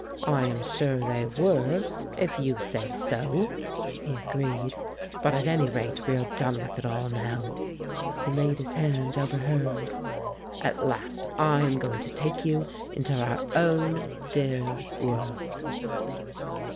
"I am sure they were, if you say so," he agreed. "But at any rate we are done with it all now." He laid his hand over hers. "At last I am going to take you into our own dear world."